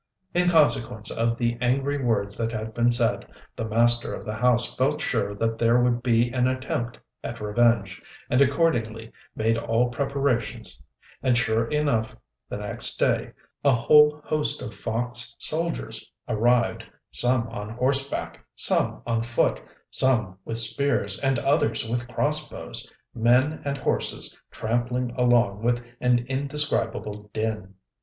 In consequence of the angry words that had been said, the master of the house felt sure that there would be an attempt at revenge, and accordingly made all preparations; and sure enough the next day a whole host of fox soldiers arrived, some on horseback, some on foot, some with spears, and others with cross bows, men and horses trampling along with an indescribable din.